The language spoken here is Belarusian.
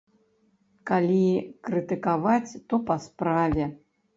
Калі крытыкаваць, то па справе.